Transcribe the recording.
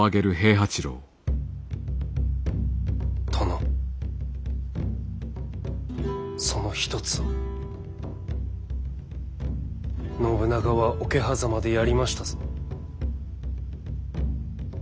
殿その一つを信長は桶狭間でやりましたぞ。